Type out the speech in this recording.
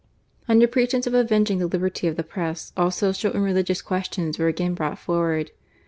Under pretence of avenging the liberty of the Press, all social and religious questions were again brought forward.